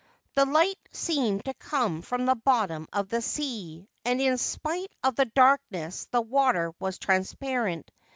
The light seemed to come from the bottom of the sea, and in spite of the darkness the water was transparent.